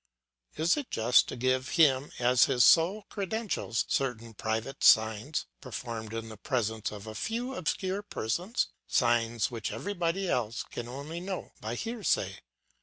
Is it just to give him as his sole credentials certain private signs, performed in the presence of a few obscure persons, signs which everybody else can only know by hearsay?